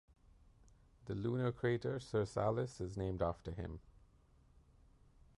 The lunar crater Sirsalis is named after him.